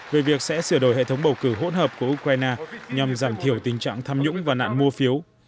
về việc sẽ sửa đổi hệ thống bầu cử hỗn hợp của ukraine nhằm giảm thiểu tình trạng tham nhũng và nạn mua phiếu